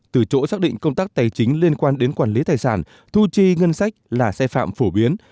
từ chỗ xác định công tác tài chính liên quan đến quản lý tài sản thu chi ngân sách là sai phạm phổ biến